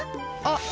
あっ！